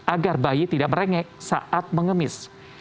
agar bayi tidak merengek saat mengemis